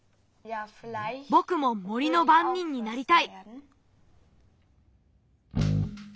ぼくも森のばんにんになりたい。